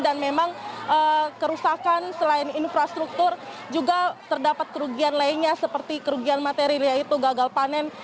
dan memang kerusakan selain infrastruktur juga terdapat kerugian lainnya seperti kerugian materi yaitu gagal panen